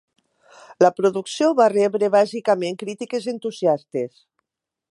La producció va rebre bàsicament crítiques entusiastes.